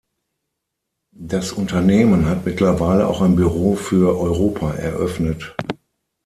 Das Unternehmen hat mittlerweile auch ein Büro für Europa eröffnet.